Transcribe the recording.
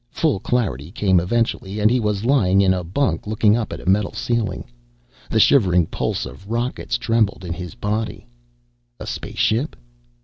Full clarity came eventually, and he was lying in a bunk looking up at a metal ceiling. The shivering pulse of rockets trembled in his body. A spaceship?